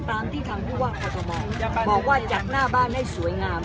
ตามที่ทำที่ว่าพอต่อมาบอกว่าจัดหน้าบ้านให้สวยงาม